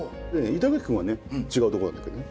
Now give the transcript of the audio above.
板垣君はね違うとこなんだけどね。